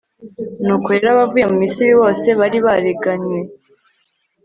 nuko rero, abavuye mu misiri bose bari baragenywe